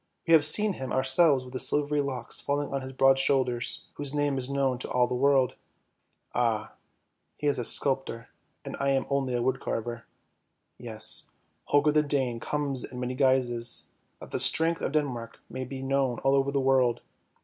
We have seen him ourselves with the silvery locks falling on his broad shoulders, whose name is known to all the world — ah, he is a sculptor, and I am only a woodcarver. Yes, Holger the Dane comes in many guises, that the strength of Denmark may be known all over the world.